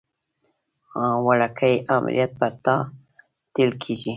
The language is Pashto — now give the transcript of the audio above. وړوکی امریت پر تا تپل کېږي.